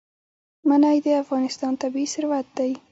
منی د افغانستان طبعي ثروت دی.